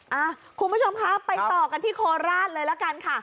เอ้าคุณผู้ชมครับไปต่อกันที่โคราชเลยแล้วกันค่ะ